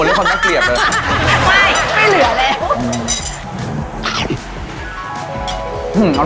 หื้มอร่อยมาก